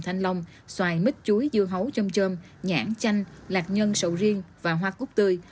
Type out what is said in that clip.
thành long xoài mít chuối dưa hấu chôm chôm nhãn chanh lạc nhân sầu riêng và hoa cút tươi